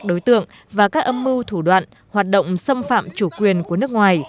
đối tượng và các âm mưu thủ đoạn hoạt động xâm phạm chủ quyền của nước ngoài